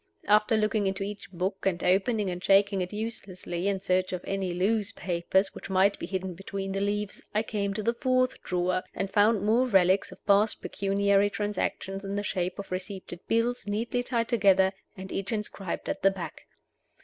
After looking into each book, and opening and shaking it uselessly, in search of any loose papers which might be hidden between the leaves, I came to the fourth drawer, and found more relics of past pecuniary transactions in the shape of receipted bills, neatly tied together, and each inscribed at the back.